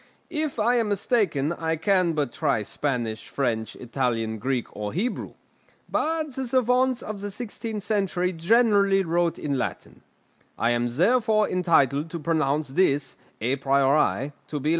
If I am mistaken, I can but try Spanish, French, Italian, Greek, or Hebrew. But the savants of the sixteenth century generally wrote in Latin. I am therefore entitled to pronounce this, à priori, to be Latin.